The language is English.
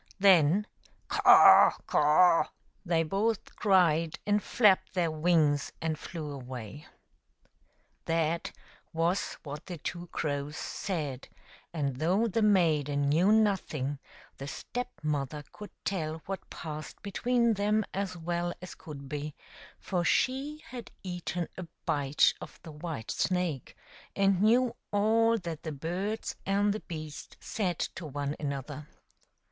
Then, " Caw ! caw !" they both cried, and flapped their wings and flew away. That was what the two crows said ; and though the maiden knew nothing, the Step mother could tell what passed between them as well as could be, for she had eaten a bite of the white snake, and knew all that the birds and the beasts said to one another.